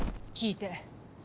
聞いて。